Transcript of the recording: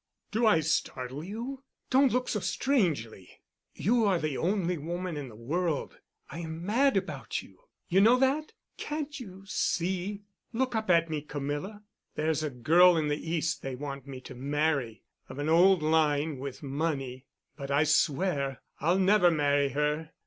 "Do I startle you? Don't look so strangely. You are the only woman in the world. I am mad about you. You know that? Can't you see? Look up at me, Camilla. There's a girl in the East they want me to marry—of an old line with money—but I swear I'll never marry her.